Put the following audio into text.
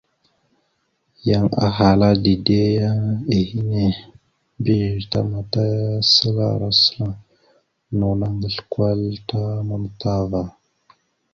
Yan ahala dide ya ehene, mbiyez tamataya səla ara səla, no naŋgasl kwal ta matam ava.